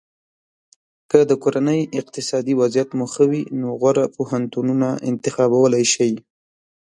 که د کورنۍ اقتصادي وضعیت مو ښه وي نو غوره پوهنتونونه انتخابولی شی.